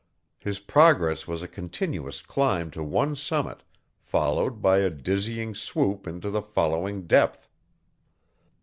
His progress was a continuous climb to one summit, followed by a dizzying swoop into the following depth.